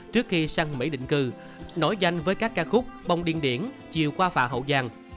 trước khi sang mỹ định cư nổi danh với các ca khúc bông điên điển chiều qua phà hậu giang